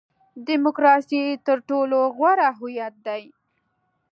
ډیموکراسي تر ټولو غوره هویت دی.